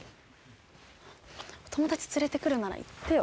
お友達連れてくるなら言ってよ